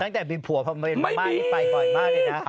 ตั้งแต่มีผัวภามาะนึงไปหอยมากเลยนะ